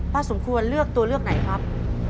สมควรเลือกตัวเลือกไหนครับ